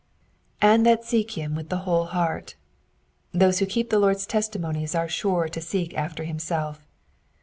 ^^And that seek him with the whole hearts Those who keep the Lord's testi monies are sure to seek after himself.